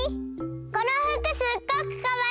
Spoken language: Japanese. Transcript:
このふくすっごくかわいい！